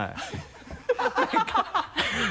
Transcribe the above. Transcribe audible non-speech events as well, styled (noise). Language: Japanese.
何か (laughs)